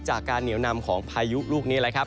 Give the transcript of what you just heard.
จากการเหนียวนำของพายุลูกนี้แหละครับ